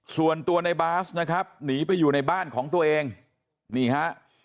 ส่วนตัวในบาสนะครับหนีไปอยู่ในบ้านของตัวเองนี่ฮะ